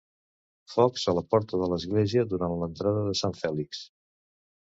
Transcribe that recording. Focs a la porta de l'església durant l'entrada de Sant Fèlix.